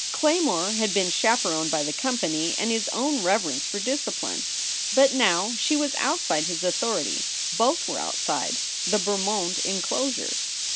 Claymore had been chaperoned by the company and his own reverence for discipline. But now she was outside his authority. Both were outside the Bermond inclosure.